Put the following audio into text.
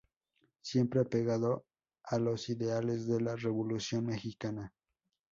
Siempre apegado a los ideales de la Revolución Mexicana.